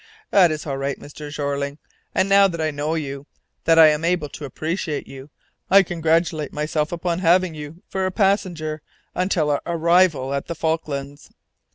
"That is all right, Mr. Jeorling; and now that I know you, that I am able to appreciate you, I congratulate myself upon having you for a passenger until our arrival at the Falklands."